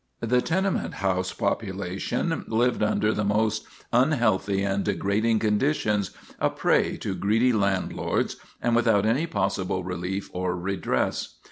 The tenement house population lived under the most unhealthy and degrading conditions, a prey to greedy landlords, and without any possible relief or redress.